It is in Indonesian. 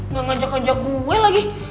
gak ngajak ngajak gue lagi